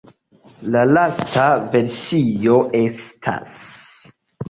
La lasta versio estas.